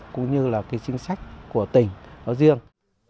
cũng như là cái chính sách của tỉnh nó riêng